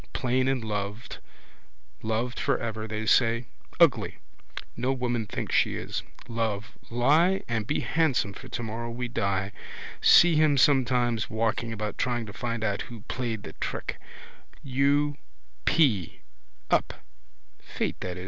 Plain and loved, loved for ever, they say. Ugly: no woman thinks she is. Love, lie and be handsome for tomorrow we die. See him sometimes walking about trying to find out who played the trick. U. p: up.